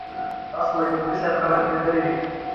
تاسو به د مفتي صاحب خبرې لیدلې وي.